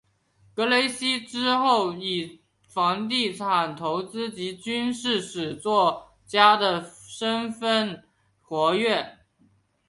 格雷西之后以房地产投资及军事史作家的身分活跃。